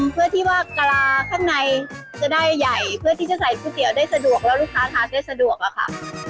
เพื่อที่ว่ากะลาข้างในจะได้ใหญ่เพื่อที่จะใส่ก๋วยเตี๋ยวได้สะดวกแล้วลูกค้าทานได้สะดวกอะค่ะ